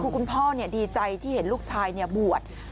คุณพ่อเนี่ยดีใจที่เห็นลูกชายเนี่ยบวช